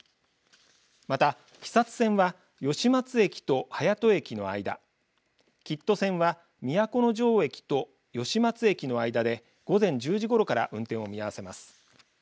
また肥薩線は吉松駅と隼人駅の間吉都線は都城駅と吉松駅の間で午前１０時ごろから運転を見合わせます。